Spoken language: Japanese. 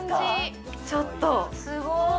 ちょっと、すごい。